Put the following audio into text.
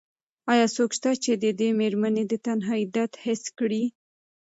ایا څوک شته چې د دې مېرمنې د تنهایۍ درد حس کړي؟